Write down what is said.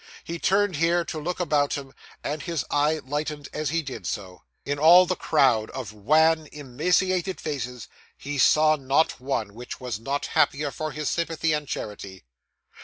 He turned here, to look about him, and his eye lightened as he did so. In all the crowd of wan, emaciated faces, he saw not one which was not happier for his sympathy and charity.